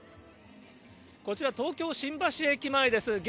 こちら、東京・新橋駅前です。